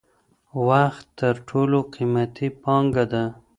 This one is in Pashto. وخت تر ټولو قیمتی پانګه ده.